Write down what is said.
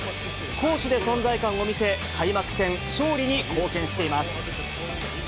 攻守で存在感を見せ、開幕戦、勝利に貢献しています。